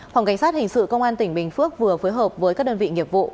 phòng cảnh sát hình sự công an tỉnh bình phước vừa phối hợp với các đơn vị nghiệp vụ